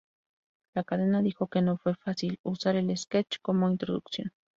La cadena dijo que no fue fácil usar el sketch como introducción.